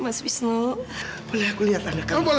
mas apa tidak cukup